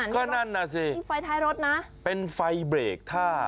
ขนาดนั้นนะซิเป็นไฟเท้าอันรถนะเป็นไฟเบรกถ้า